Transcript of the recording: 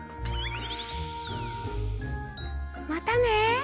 またね。